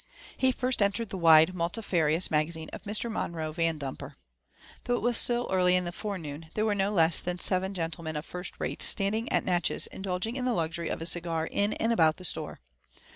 He first entered the wide, multifarious magazine of Mr. Monroe Vandumper. Though it was still early in the forenoon, there were no less than seven gentlemen of first rate standing at Natchez indulging in the luxury of a cigar in and about the store.